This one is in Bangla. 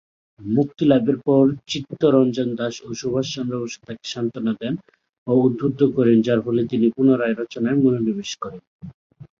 মুক্তিলাভের পর চিত্তরঞ্জন দাশ ও সুভাষচন্দ্র বসু তাকে সান্ত্বনা দেন ও উদ্বুদ্ধ করেন যার ফলে তিনি পুনরায় রচনায় মনোনিবেশ করেন।